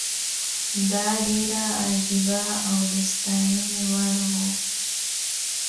دا ډېره عجیبه او د ستاینې وړ وه.